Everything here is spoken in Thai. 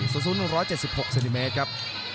สูตรสูตร๑๗๖เซนติเมตรครับ